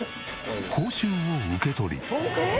報酬を受け取り。